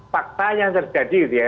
fakta yang terjadi gitu ya